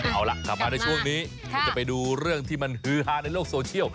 เอาล่ะกลับมาในช่วงนี้เราจะไปดูเรื่องที่มันฮือฮาในโลกโซเชียล